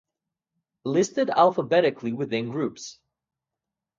Listed alphabetically within groups.